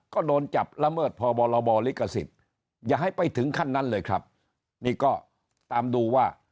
ก็โดนจับละเมิดพบรบลิขสิทธิ์อย่าให้ไปถึงขั้นนั้นเลยครับนี่ก็ตามดูว่า